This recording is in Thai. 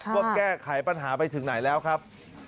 ว่าแก้ไขปัญหาไปถึงไหนแล้วครับ